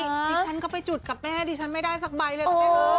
ดิฉันก็ไปจุดกับแม่ดิฉันไม่ได้สักใบเลยคุณแม่